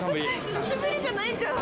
久しぶりじゃないじゃん。